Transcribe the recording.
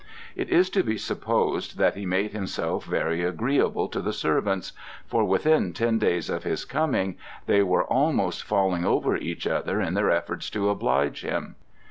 It is to be supposed that he made himself very agreeable to the servants, for within ten days of his coming they were almost falling over each other in their efforts to oblige him.